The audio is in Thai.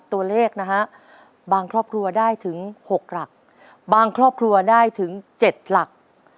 ตัวเลขนะฮะบางครอบครัวได้ถึง๖หลักบางครอบครัวได้ถึง๗หลัก